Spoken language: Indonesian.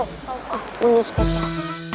oh menu spesial